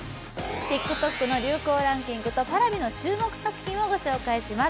ＴｉｋＴｏｋの流行ランキングとＰａｒａｖｉの注目作品を紹介します。